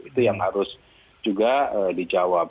itu yang harus juga dijawab